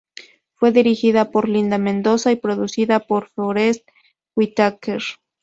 Fue dirigida por Linda Mendoza y coproducida por Forest Whitaker.